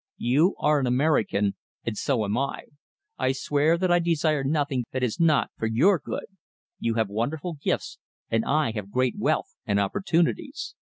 You are an American, and so am I. I swear that I desire nothing that is not for your good. You have wonderful gifts, and I have great wealth and opportunities.